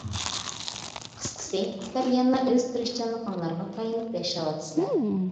قىسقىسى، سىلەر يەنىلا ئۆز تىرىشچانلىقىڭلارغا تايىنىپ ياشاۋاتىسىلەر.